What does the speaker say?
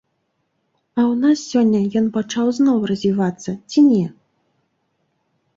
А ў нас сёння ён пачаў зноў развівацца ці не?